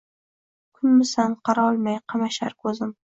Kunmisan, qarolmay qamashar ko’zim.